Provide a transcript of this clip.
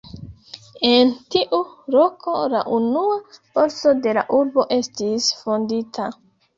En tiu loko la unua borso de la urbo estis fondita.